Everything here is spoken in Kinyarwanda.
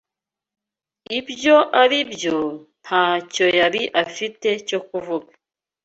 Ibyo aribyo, ntacyo yari afite cyo kuvuga.